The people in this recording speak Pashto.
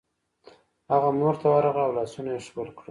هغه مور ته ورغله او لاسونه یې ښکل کړل